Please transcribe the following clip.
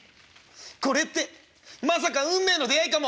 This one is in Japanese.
これってまさか運命の出会いかも！」。